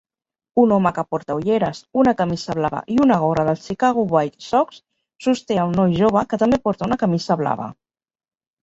Un home que porta ulleres, una camisa blava i una gorra dels Chicago White Sox sosté a un noi jove que també porta una camisa blava